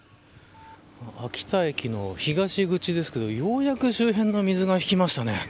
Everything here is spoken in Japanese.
秋田駅の東口ですけどようやく周辺の水が引きましたね。